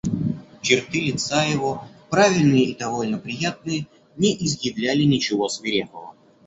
Черты лица его, правильные и довольно приятные, не изъявляли ничего свирепого.